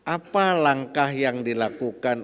apa langkah yang dilakukan